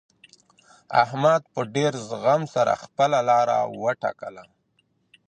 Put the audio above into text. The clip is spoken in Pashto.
احمد په ډېر زغم سره خپله لاره وټاکله.